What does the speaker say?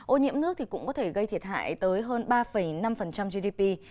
ô nhiễm nước cũng có thể gây thiệt hại tới hơn ba năm gdp